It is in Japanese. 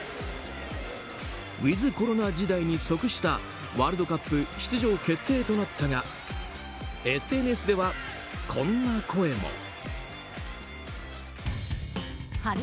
ウィズコロナ時代に即したワールドカップ出場決定となったがＳＮＳではこんな声も。